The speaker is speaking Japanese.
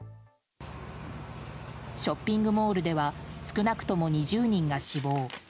ショッピングモールでは少なくとも２０人が死亡。